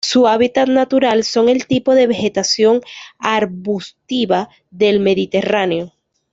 Su hábitat natural son el tipo de vegetación arbustiva del mediterráneo.